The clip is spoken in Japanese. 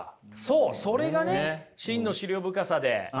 そうそれがね真の思慮深さで。